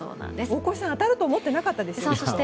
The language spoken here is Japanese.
大越さん当たると思っていなかったでしょ。